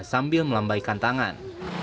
sambil melambaikan tangan